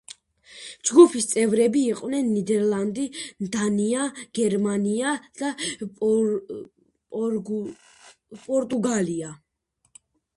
ჯგუფის წევრები იყვნენ ნიდერლანდი, დანია, გერმანია და პორტუგალია.